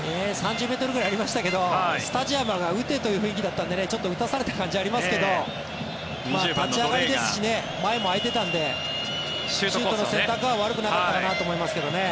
３０ｍぐらいありましたけどスタジアムが打てという雰囲気だったので打たされた感じはありますけど立ち上がりですしね前も空いていたのでシュートの選択は悪くなかったかなと思いますけどね。